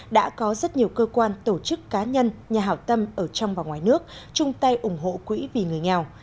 đã có rất nhiều cơ quan tổ chức cá nhân nhà hảo tâm ở trong và ngoài nước chung tay ủng hộ quỹ vì người nghèo